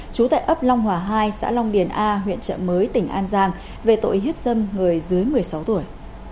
trú tại ấp long hòa hai xã long điền a huyện trợ mới tỉnh an giang về tội hiếp dâm người dưới một mươi sáu tuổi